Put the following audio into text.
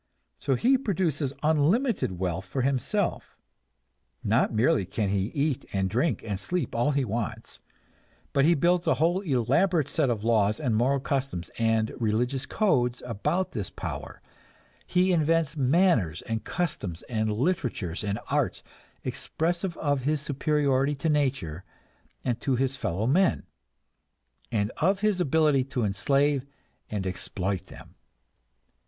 So he produces unlimited wealth for himself; not merely can he eat and drink and sleep all he wants, but he builds a whole elaborate set of laws and moral customs and religious codes about this power, he invents manners and customs and literatures and arts, expressive of his superiority to nature and to his fellow men, and of his ability to enslave and exploit them.